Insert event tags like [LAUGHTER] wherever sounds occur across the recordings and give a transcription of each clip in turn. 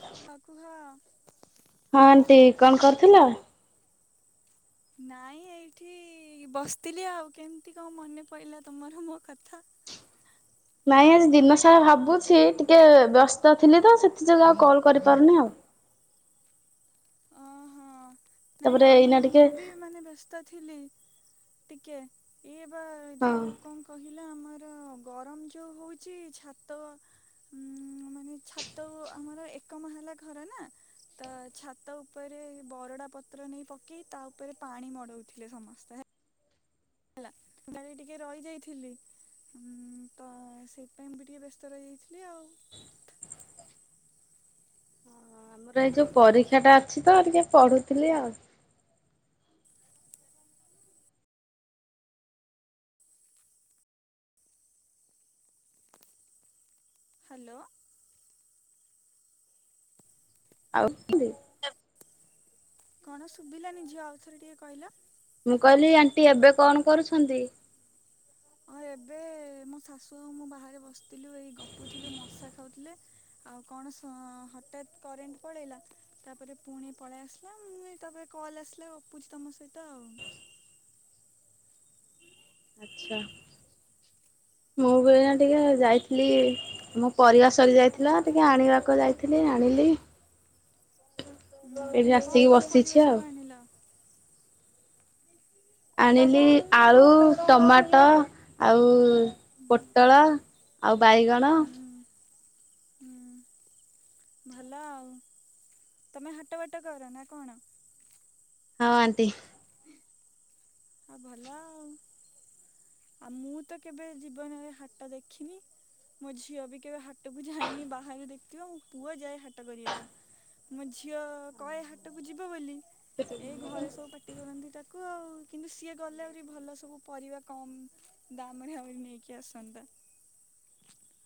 ହ ଆକୁୁହ ହଁ ଆଣ୍ଟି କଣ କରୁଥିଲ? ନାଇଁ ଏଇଠି ବସିଥିଲି ଆଉ କେମିତି କଣ ମନେ ପଡ଼ିଲା ତମର ମୋ କଥା? ନାଇଁ ଆଜି ଦିନସାରା ଭାବୁଛି ଟିକେ ବ୍ୟସ୍ତ ଥିଲି ତ ସେଥିଯୋଗଁ ଆଉ କଲ୍ କରିପାରୁନି ଆଉ। ଓହୋ ନାଇଁ ତାପରେ ଆମେ ଏଇନା ଟିକେ ମୁଁ ବି ମାନେ ବ୍ୟସ୍ତ ଥିଲି ଟିକେ। ଏ ବା ହଁ। ଯୋଉ କଣ କହିଲା ଆମର ଗରମ ଯୋଉ ହଉଛି ଛାତ। ଉଁ ମାନେ ଛାତ ଆମର ଏକ ମା ହେଲା ଘର ନା ତ ଛାତ ଭାତ ଉପରେ ବରଡା ପତ୍ର ନେଇ ପକେଇ ତା ଉପରେ ପାଣି ମଡଉଥିଲେ ସମସ୍ତେ। ହେଲା ମୁ କାଲି ଟିକେ ରହି ଯାଇଥିଲି। ହଁ ତ ସେଇପାଇ ବି ଟିକେ ବ୍ୟସ୍ତ ରହିଯାଇଥିଲି ଆଉ। ର ଏଇ ଯୋଉ ପରୀକ୍ଷା ଟା ଅଛି ତ ଟିକେ ପଢୁଥିଲି ଆଉ। ହ୍ୟାଲୋ ଆଉ କଣ ଶୁଭିଲାନି ଝିଅ ଆଉ ଥରେ ଟିକେ କହିଲ? ମୁଁ କହିଲି ଆଣ୍ଟି ଏବେ କଣ କରୁଛନ୍ତି? ହଁ ଏବେ ମୋ ଶାଶୁ ମୁଁ ବାହାରେ ବସିଥିଲୁ ଏଇ ଗପୁ ଥିଲୁ ମଶା ଖାଉଥିଲେ। ଆଉ କଣ ହଠତ୍ କରେଣ୍ଟ ପଳେଇଲା। ତାପରେ ପୁଣି ପଳେଇ ଆସିଲା ମୁଁ ତାପରେ କଲ୍ ଆସିଲା ଗପୁଛି ତମ ସହିତ ଆଉ ଆଛା ମୁଁ ବି ଆଜ୍ଞା ଟିକେ ଯାଇଥିଲି। ମୋ ପରିବା ସରିଯାଇଥିଲା ଟିକେ ଆଣିବାକୁ ଯାଇଥିଲି ଆଣିଲି ଏଠି ଆସିକି ବସିଛି ଆଉ। ନିଲ ଆଣିଲି ଆଳୁ ଟମାଟୋ ଆଉ ହୁଁ ପୋଟଳ ଆଉ ବାଇଗଣ ହୁଁ ଭଲ ଆଉ ତମେ ହାଟ ବାଟ କର ନା କଣ ହଁ ଅଣ୍ଟୀ ହଉ ଭଲ ଆଉ ଆଉ ମୁଁ ତ କେବେ ଜୀବନରେ ହାଟ ଦେଖିନି ମୋ ଝିଅ ବି କେବେ ହାଟକୁ ଯାଇନି ବାହାରୁ ଦେଖିଥିବ ମୁଁ ପୁଅ ଯାଏ ହାଟ କରିବାକୁ ମୋ ଝିଅ କହେ ହାଟକୁ ଯିବ ବୋଲି ଏଇ ଘରେ ସବୁ ପାଟି କରନ୍ତି ତାକୁ ଆଉ। କିନ୍ତୁ ସିଏ ଗଲେ ଆହୁରି ଭଲ ସବୁ ପରିବା କମ ଦାମ ରେ ଆହୁରି ନେଇକି ଆସନ୍ତା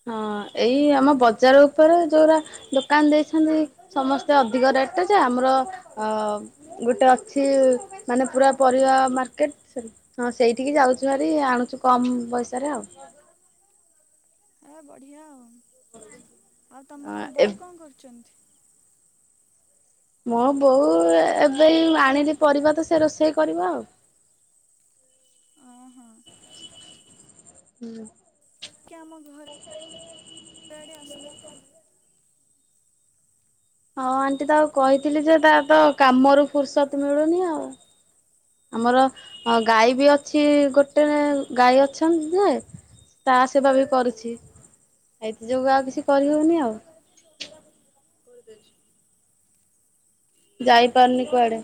ହଁ ଏଇ ଆମ ବଜାର ଉପରେ ଯୋଉା ଦୋକାନ ଦେଇଛନ୍ତି ସମସ୍ତେ ଅଧିକ ରେଟ୍ ଯେ ଆମର ଅ ଗୋଟେ ଅଛି ମାନେ ପୁରା ପରିବା ମାର୍କେଟ ସେଠି ହଁ ସେଇଠିକି ଯାଉଛୁ ଭାର ଆଣୁଛୁ କମ ପଇସାରେ ଆଉ। ଆ ବଢ଼ିଆ ଆଉ ଆଉ ତମ ଏ ବୋଉ କଣ କରୁଛନ୍ତି? ମୋ ବୋଉ ଏବେ ଆଣିଲି ପରିବା ତ ସେ ରୋଷେଇ କରିବ ଆଉ। ହ ଅଁ ହୋ। ହୁଁ। କି ଆମ ଘରେ ଆଡେ ଆସ। ହଉ ଆଣ୍ଟି ତାକୁ କହିଥିଲି ଯେ ତାରତ କାମରୁ ଫୁର୍ସତ ମିଳୁନି ଆଉ। ଆମର ଗାଈ ବି ଅଛି ଗୋଟେ ଗାଈ ଅଛନ୍ତି ଯେ ତା ସେବା ବି କରୁଛି ହେଇଥି ଯୋଗୁ ଆଉ କିଛି କରିହଉନି ଆଉ। ଯାଇପାରୁନି କୁଆଡେ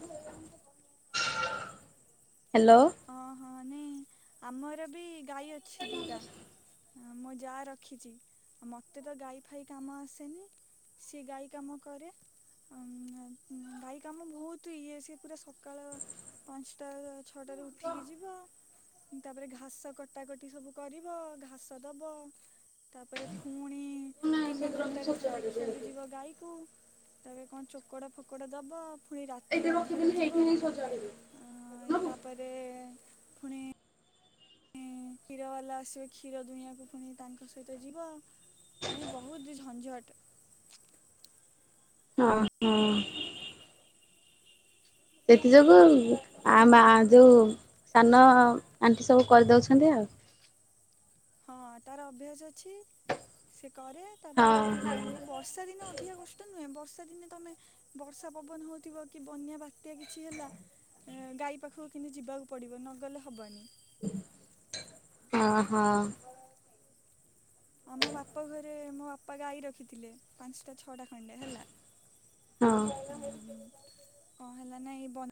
ହ୍ୟାଲୋ। ଓହଁ ନାଇଁ ଆମର ବି ଗାଈ ଅଛି ଦିଟା। ହଁ ମୁଁ ଯାହା ରଖିଛି ମୋତେ ତ ଗାଈ ଫାଇ କାମ ଆସେନି ସେ ଗାଈ କାମ କରେ। ଗାଈ କାମ ବହୁତ ଇଏ ସିଏ ପୁରା ସକାଳ ପାଞ୍ଚଟା ଛଅଟାରେ ଉଠିକି ଯିବ ତାପରେ ଘାସ କଟାକଟି ସବୁ କରିବ ଘାସ ଦବ। ତାପରେ ଫୁଣି ତିନି ଘଣ୍ଟାରେ ଥରେ ଦେଖିବାକୁ ଯିବ ଗାଈକୁ ତାପରେ କଣ ଚୋକଡ ଫୋକଡ ଦବ ପୁଣି ରାତି ଅଧରେ ଯିବ ଅଁ ଏଁ ତାପରେ ପୁଣି କ୍ଷୀର ବାଲା ଆସିବେ କ୍ଷୀର ଦୁହିଁଆକୁ ପୁଣି ତାଙ୍କ ସହିତ ଯିବ। ଏ ବହୁତ ଝଞଟ। ହଁ ହଁ। ସେଥି ଯୋଗୁ ଆ ମା ଯଉ ସାନ ଆଣ୍ଟି ସବୁ କରିଦଉଛନ୍ତି ଆଉ। ହଁ ତାର ଅଭ୍ୟାସ ଅଛି ସେ କରେ ତାପରେ ଏଇ ହଁ ବର୍ ବର୍ଷା ଦିନେ ଅଧିକା କଷ୍ଟ ନୁହେଁ ବର୍ଷା ଦିନେ ତମେ ବର୍ଷା ପବନ ହଉଥିବ କି ବନ୍ୟା ବାତ୍ୟା କିଛି ହେଲା ଗାଈ ପାଖକୁ କିନ୍ତୁ ଯିବାକୁ ପଡ଼ିବ ନଗଲେ ହବନି। ଅହ। ଆମ ବାପ ଘରେ ମୋ ବାପା ଗାଈ ରଖିଥିଲେ। ପାଞ୍ଚଟା ଛଅଟା ଖଣ୍ଡେ ହେଲା ହଁ ହୁଁ କଣ ହେଲାନା ଏ ବ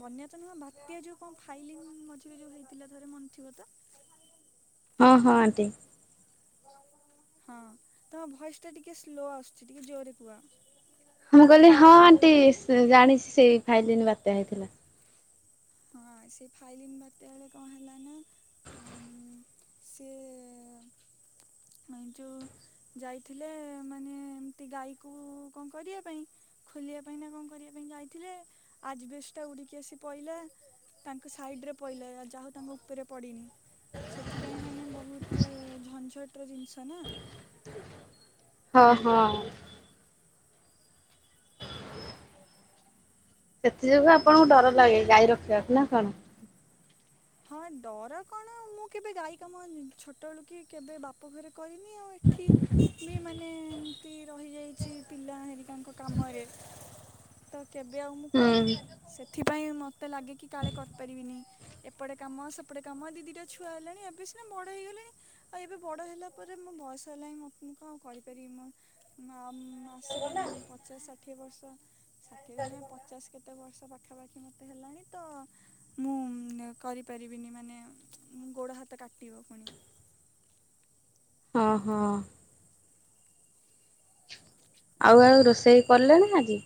ବନ୍ୟାତ ନୁହଁ ବାତ୍ୟା ଯୋଉ କଣ ଫାଇଲିନ୍ ମଝିରେ ଯୋଉ ହେଇଥିଲା ଥରେ ମନେ ଥିବ ତ? ହଁ ହଁ ଆଣ୍ଟି। ହଁ ତମ ଭଏସ ଟା ଟିକେ ସ୍ଲୋ ଆସୁଛି ଟିକେ ଜୋରେ କୁହ। ମୁଁ କହିଲି ହଁ ଆଣ୍ଟି ଜାଣିଛି ସେଇ ଫାଇଲିନ ବାତ୍ୟା ହେଇଥିଲା। ହଁ ସେ ଫାଇଲିନ୍ ବାତ୍ୟାଏଳେ କଣ ହେଲା ନା? ସିଏ ନାଇଁ ଯୋଉ ଯାଇଥିଲେ ମାନେ ଏମିତି ଗାଈକୁ କଣ କରିବା ପାଇଁ ଖୋଲିବା ପାଇଁ ନା କଣ କରିବା ପାଇଁ ଯାଇଥିଲେ ଆଜବେଶ୍ଟା ଉଡ଼ିକି ଆସି ପଇଲା। ତାଙ୍କ ସାଇଡ଼ରେ ପଇଲା ଯାହା ହଉ ତାଙ୍କ ଉପରେ ପଡ଼ିନି। ସେଥିପାଇଁ ମାନେ ବହୁତ ଝଂଝଟ ର ଜିନିଷ ନା। ହଁ ହଁ। ସେଥିଯୋଗୁଁ ଆପଣଙ୍କୁ ଡର ଲାଗେ ଗାଈ ରଖିବାକୁ ନା କଣ? ହଁ ଡର କଣ ମୁଁ କେବେ ଗାଈ କାମ ଛୋଟବେଳୁ କି କେବେ ବାପ ଘରେ କରିନି ଆଉ ଏଠି ବି ମାନେ ଏମିତି ରହିଯାଇଛି ପିଲା ହେରି ତାଙ୍କ କାମରେ ତ କେବେ ଆଉ ମୁଁ ହୁଁ କରିନି। ସେଥିପାଇଁ ମୋତେ ଲାଗେ କି କାଳେ କରିପାରିବିନି। ଏପଟେ କାମ ସେପଟେ କାମ ଦି ଦି ଦିଇଟା ଛୁଆ ହେଲେଣି ଏବେ ସିନା ବଡ଼ ହେଇଗଲେଣି। ଆଉ ଏବେ ବଡ ହେଲା ପରେ ମୋ ବୟସ ହେଲାଣି ମୁଁ କଣ କରିପାରିବି ମ। ଆମ୍ ଆସିକି ପଚାଶ ଷାଠିଏ ବର୍ଷ ଷାଠିଏ ନୁହେଁ ପଚାଶ କେତେ କେତେ ବର୍ଷ ପାଖାପାଖି ମୋତେ ହେଲାଣି ତ ମୁଁ କରିପାରିବିନି ମାନେ ଗୋଡ଼ ହାତ କାଟିବ ପୁଣି। ହଁ ହଁ ଆଉ ଆଉ ରୋଷେଇ କଲେ ନା ଆଜି?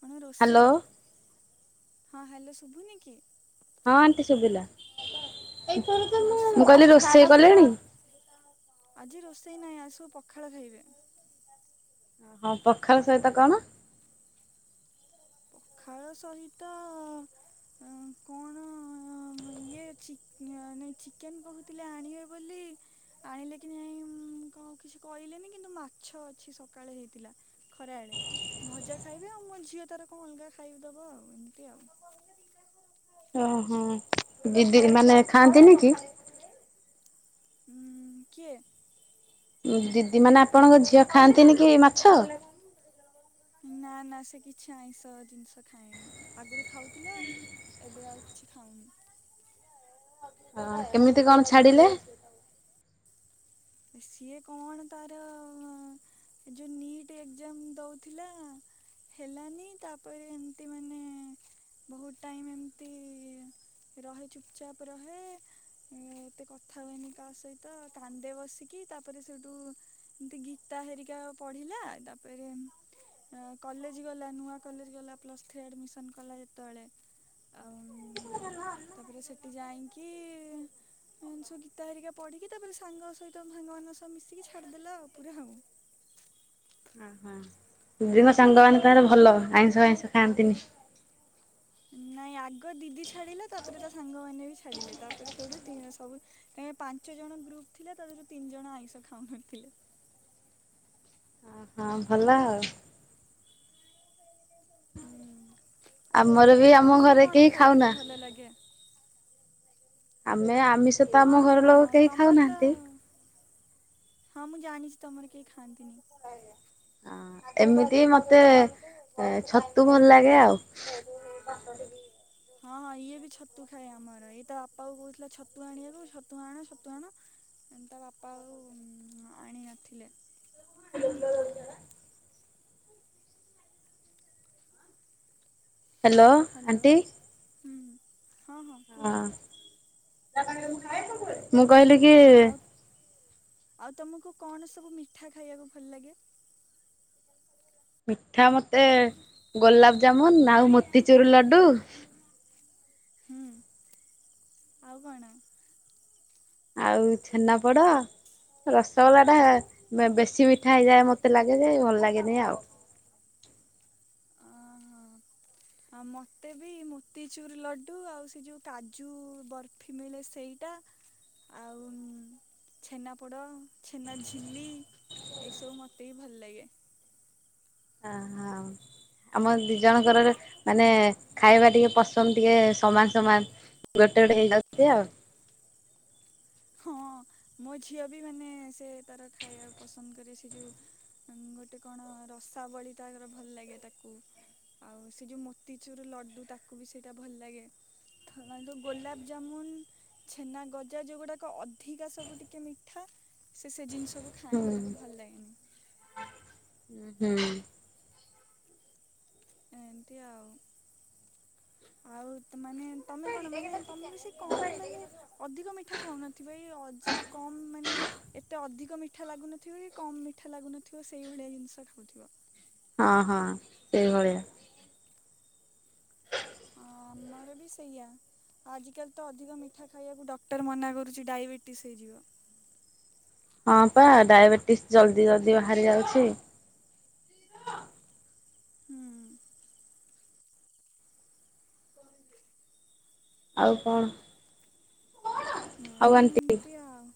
କଣ ରୋଷେଇ ହ୍ୟାଲୋ ହଁ ହ୍ୟାଲୋ ଶୁଭୁନି କି? ମୁଁ କହିଲି ରୋଷେଇ ବା ରୋଷେଇ କରିନି କଲେଣି? ଆଜି ରୋଷେଇ ନାହିଁ ଆଜି ସବୁ ପଖାଳ ଖାଇବେ। ହଁ ପଖାଳ ସହିତ କଣ? ପଖାଳ ସହିତ କଣ ଇଏ ଚି ଚିକେନ୍ କହୁଥିଲେ ଆଣିବେ ବୋଲି ଆଣିଲେ କି ନାଇଁ ଉମ୍ କାହାକୁ କିଛି କହିଲେନି କିନ୍ତୁ ମାଛ ଅଛି ସକାଳେ ହେଇଥିଲା। ଖରା ବେଳେ ଭଜା ଖାଇବେ ଆଉ ମୋ ଝିଅ ତାର କଣ ଅଲଗା ଖାଇିଦବ ଆଉ ଏମିତି ଆଉ। ଓହୋ ଦିଦି ମାନେ ଖାଆନ୍ତିନି କି? ଉଁ କିଏ? ଦିଦି ମାନେ ଆପଣଙ୍କ ଝିଅ ଖାଆନ୍ତିନିକି ମାଛ? ନା ନା ସେ କିଛି ଆଇଁଷ ଜିନିଷ ଖାଏନି ଆଗରୁ ଖାଉଥିଲା ଏବେ ଆଉ କିଛି ଖାଉନି। ହ କେମିତି କଣ ଛାଡିଲେ? ସିଏ କଣ ତାର ଏ ଯୋଉ ନିଟ୍ ଏଗଜାମ୍ ଦଉଥିଲା ହେଲାନି ତାପରେ ଏମିତି ମାନେ ବହୁତ ଟାଇମ ଏମତି ରହେ ଚୁପଚାପ ରହେ ଏତେ କଥା ହୁଏନି କା ସହିତ କାନ୍ଦେ ବସେ। ତିକି ତାପରେ ସେଇଠୁ ଏମିତି ଗୀତା ହେରିକା ପଢ଼ିଲା ତାପରେ କଲେଜ ଗଲା ନୂଆ କଲେଜ ଗଲା ପ୍ଲସ୍ ଥ୍ରୀ ଆଡମିସନ୍ କଲା ଯେତେବେଳେ ଆଉମ୍ ତାପରେ ସେଠି ଯାଇକି ଏମିତି ସବୁ ଗୀତା ହେରିକା ପଢିକି ତାପରେ ସାଙ୍ଗ ସହିତ ତ ସାଙ୍ଗ ମାନଙ୍କ ସହ ମିଶିକି ଛାଡିଦେଲା ଆଉ ପୁରା ଆଉ। ଆହା। ଦିଦିଙ୍କ ସାଙ୍ଗ ମାନେ ତାହେଲେ ଭଲ ଆଇଁଷ ଫାଇଁସ ଖାଆନ୍ତିନି। ନାଇଁ ଆଗ ଦିଦି ଛାଡ଼ିଲା ତାପରେ ତା ସାଙ୍ଗମାନେବି ଛାଡିଲେ ତାପରେ ସେଇଠୁ ସବୁ ଏ ପାଞ୍ଚ ଜଣ ଗ୍ରୁପ ଥିଲେ ତା ଦିହୁ ଙ୍ୱରୁ ତିନି ଜଣ ଆଇଁଷ ଖାଉନଥିଲେ। ହଁ ଭଲ ଆଉ। ଆମର ବି ଆମ ଘରେ କେହି ଖାଉନା। ଲ ଲାଗେ। ଆମେ ଆମିଷତ ହଁ ଆମ ଘର ହଁ ଲୋକ ହଁ କେହି ତମର ତ ଖାଉନାହାନ୍ତି। ହଁ ମୁଁ ଜାଣିଚି ତମର କେହି ଖାଆନ୍ତିନି। ହଁ ଏମିତି ମୋତେ ଛତୁ ଭଲ ଲାଗେ ଆଉ। [INAUDIBLE] ହଁ-ହଁ ଇଏ ବି ଛତୁ ଖାଏ ଆମର ଇଏ ତ ବାପା କୁ କହୁଥିଲା ଛତୁ ଆଣିବାକୁ ଛତୁ ଆଣ-ଛତୁ ଆଣ। ତା ବାପା ଆଉ ଆଣି ନଥିଲେ। [INAUDIBLE] Hello hello aunty. ହୁଁ। ହଁ ହଁ କୁହ। ହଁ ମୁଁ କହିଲି କି ଆଉ ଆଉ ତମକୁ କଣ ସବୁ ମିଠା ଖାଇବାକୁ ଭଲ ଲାଗେ? ମିଠା ମୋତେ ଗୋଲାପଜାମୁନ୍ ଆଉ ମୋତିଚୁର୍ ଲଡୁ। ହୁଁ ଆଉ କଣ? ଆଉ ଛେନାପୋଡ। ରସଗୋଲା ଟା ବେ ବେଶୀ ମିଠା ହେଇଯାଏ ମତେ ଲାଗେ ଯେ ଭଲ ଲାଗେନି ଆଉ। ଅ ମୋତେ ବି ମୋତିଚୁର୍ ଲଡ଼ୁ ଆଉ ସେ ଯୋଉ କାଜୁ ବର ଫି ମିଳେ ସେଇଟା ଆଉ ଛେନାପୋଡ଼ ଛେନା ଝିଲି। ଏଇସବୁ ମୋତେ ବି ଭଲ ଲାଗେ। ଆ ହଁ। ଆମ ଦିଇ ଜଣଙ୍କର ର ମାନେ ଖାଇବା ଟିକେ ପସନ୍ଦ୍ ଟିକେ ସମାନ୍ ସମାନ୍। ଗୋଟେ ଗୋଟେ ହେଇଯାଉଛି ଆଉ। ହଁ। ମୋ ଝିଅ ବି ମାନେ ସେ ତାର ଖାଇବାକୁ ପସନ୍ଦ କରେ ସେ ଯଉ ଗୋଟେ କଣ ରସାବଳୀ ତାର ଭଲ ଲାଗେ ତାକୁ। ଆଉ ସେ ଯଉ ମୋତିଚୁର୍ ଲଡ଼ୁ ତାକୁ ବି ସେଇଟା ଭଲ ଲାଗେ। ଥ ଯୋଉ ଗୋଲାପଜାମୁନ୍ ଛେନା ଗଜା ଯୋଉଗୁଡାକ ଅଧି କା ସବୁ ଟିକେ ମିଠା ସେ ସେ ଜିନିଷକୁ ଖାଏନି ତାକୁ ଭଲ ଲାଗେନି। ଉଁ ହୁଁ। ଏମତି ଆଉ। ଆଉ ତ ମାନେ ତମେ କଣ ମାନେ ତମେ ବି ସେ କମ୍ ମାନେ ଅଧିକ ମିଠା ଖାଉନଥିବେ ଅଜେ କମ୍ ମାନେ ଏତେ ଅଧିକ ମି ଠା ଲାଗୁନଥିବ କି କମ୍ ମିଠା ଲାଗୁନଥିବ ସେଇଭଳିଆ ଜିନିଷ ଖାଉଥିବ। ହଁ ହଁ ସେଇଭଳିଆ। ହଁ ଆମର ବି ସେଇଆ। ଆଜିକାଲି ତ ଅଧିକ ମିଠା ଖାଇବାକୁ ଡକ୍ଟର୍ ମନା କରୁଚି ଡାଇବେଟିସ୍ ହେଇଯିବ। ହଁ ପା ଡାଇବେଟିସ୍ ଜଲ୍ଦି ଜଲ୍ଦି ବାହାରି ଯାଉଛି। ହୁଁ। ଆଉ କଣ? ଆଉ ନାଇଁ ଆଣ୍ଟି ଏମତି ଆଉ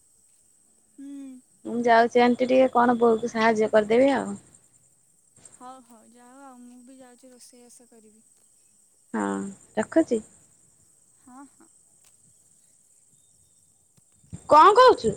ହୁଁ। ମୁଁ ଯାଉଚି ଆଣ୍ଟି ଟିକେ କଣ ବୋଉକୁ ସାହାଯ୍ୟ କରିଦେବି ଆଉ। ହଉ ହ ଯାଅ ଆଉ ମୁଁ ବି ଯାଉଚି ରୋଷେଇବାସ କରିବି। ହଁ ରଖୁଚି? ହଁ ହଁ। କଣ କହୁଚୁ?